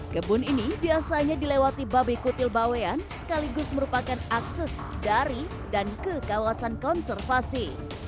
kebun ini biasanya dilewati babe kutil bawean sekaligus merupakan akses dari dan ke kawasan konservasi